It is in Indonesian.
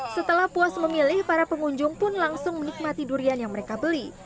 setelah puas memilih para pengunjung pun langsung menikmati durian yang mereka beli